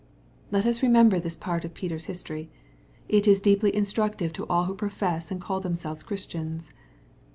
Let us remember this part of Peter's history. It is deeply instructive to all who profess and call themselves Christians.